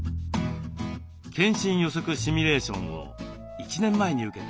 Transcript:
健診予測シミュレーションを１年前に受けた高越浩一さん